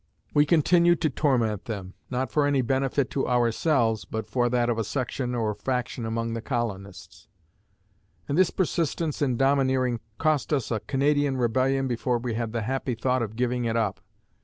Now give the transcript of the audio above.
We continued to torment them, not for any benefit to ourselves, but for that of a section or faction among the colonists; and this persistence in domineering cost us a Canadian rebellion before we had the happy thought of giving it up.